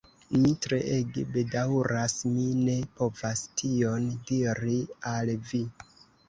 Mi treege bedaŭras, mi ne povas tion diri al vi.